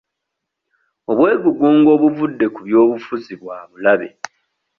Obwegugungo obuvudde ku byobufuzi bwa bulabe.